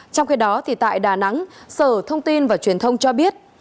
trong khi đó tại đà nẵng sở thông tin và truyền thông cho biết